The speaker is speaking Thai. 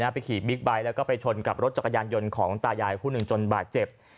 ไปขี่บิ๊กไบท์แล้วก็ไปชนกับรถจักรยานยนต์ของตายายคู่หนึ่งจนบาดเจ็บ